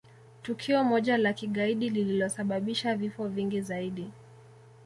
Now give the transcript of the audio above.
tukio moja la kigaidi lililosababisha vifo vingi zaidi